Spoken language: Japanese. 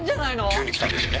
急に来たんですよね